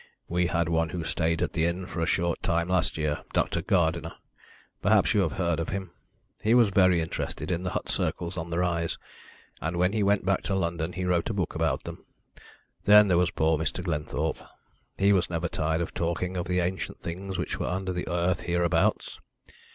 We had one who stayed at the inn for a short time last year Dr. Gardiner, perhaps you have heard of him. He was very interested in the hut circles on the rise, and when he went back to London he wrote a book about them. Then there was poor Mr. Glenthorpe. He was never tired of talking of the ancient things which were under the earth hereabouts."